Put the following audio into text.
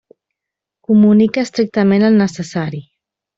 Comunica estrictament el necessari.